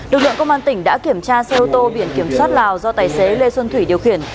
lực lượng công an tỉnh đã kiểm tra xe ô tô biển kiểm soát lào do tài xế lê xuân thủy điều khiển